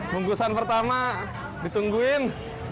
bungkusan pertama ditungguin